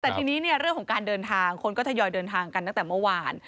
แต่ทีนี้เนี่ยเรื่องของการเดินทางคนก็ทยอยเดินทางกันตั้งแต่เมื่อวาน